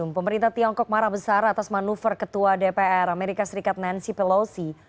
pemerintah tiongkok marah besar atas manuver ketua dpr amerika serikat nancy pelosi